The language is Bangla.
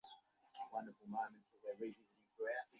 সামান্য মূল্যে রাধামুকুন্দ সেই পূর্ব সম্পত্তি পুনর্বার কিনিয়া লইলেন।